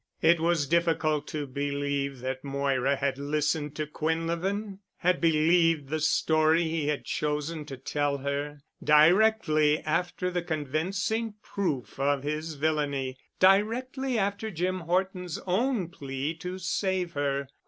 It was difficult to believe that Moira had listened to Quinlevin, had believed the story he had chosen to tell her, directly after the convincing proof of his villainy, directly after Jim Horton's own plea to save her.